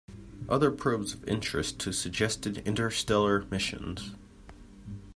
Other probes of interest to suggested interstellar missions.